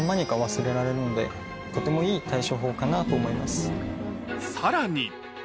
とてもいい対処法かなと思います。